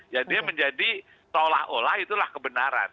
jadi menjadi seolah olah itulah kebenaran